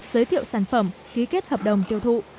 giới thiệu sản phẩm ký kết hợp đồng tiêu thụ